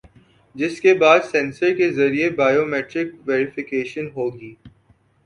جس کے بعد سینسر کے ذریعے بائیو میٹرک ویری فیکیشن ہوگی